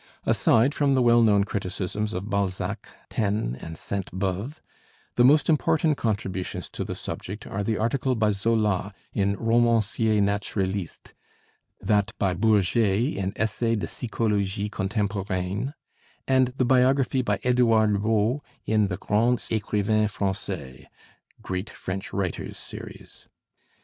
Aside from the well known criticisms of Balzac, Taine, and Sainte Beuve, the most important contributions to the subject are the article by Zola in 'Romanciers Naturalistes,' that by Bourget in 'Essais de Psychologie Contemporaine,' and the biography by Edouard Rod in the 'Grands Écrivains Français' (Great French Writers) Series.